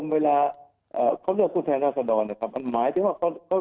เวลาเขาโดยคุณแทนราษฎรหมายที่เขา